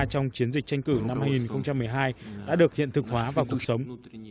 trong chiến dịch tranh cử năm hai nghìn một mươi hai đã được hiện thực hóa vào cuộc sống